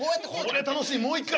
こりゃ楽しいもう一回。